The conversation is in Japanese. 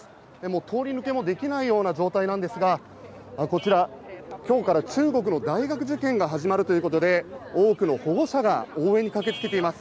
通り抜けもできないような状態なんですが、こちら、きょうから中国の大学受験が始まるということで、多くの保護者が応援に駆けつけています。